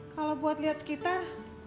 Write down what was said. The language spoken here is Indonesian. kalau buat liat sekitar